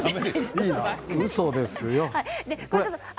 うそですよ。